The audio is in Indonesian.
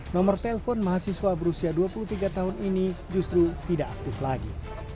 nomor telepon mahasiswa berusia dua puluh tiga tahun ini justru tidak aktif lagi